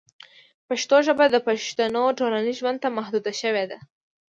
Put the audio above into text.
پښتو ژبه د پښتنو ټولنیز ژوند ته محدوده شوې ده.